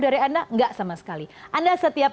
dari anda enggak sama sekali anda setiap